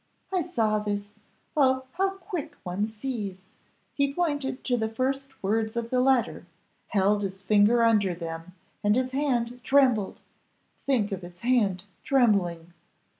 I saw this: oh! how quick one sees. He pointed to the first words of the letter, held his finger under them, and his hand trembled think of his hand trembling!